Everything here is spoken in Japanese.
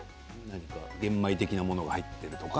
玄米的なものが入っているとか？